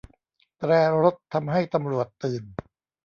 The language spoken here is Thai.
แตรรถทำให้ตำรวจตื่น